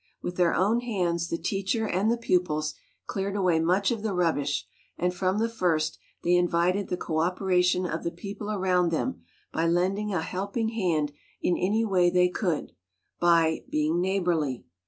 With their own hands the teacher and the pupils cleared away much of the rubbish, and from the first they invited the co opera ion of the people around them by lending a helping hand in any way they could, by "being neighborly."